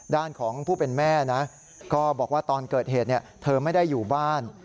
ด้านของผู้เป็นแม่นะก็บอกว่าตอนเกิดเหตุเธอไม่ได้อยู่บ้าน